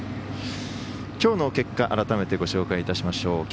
きょうの結果改めてご紹介いたしましょう。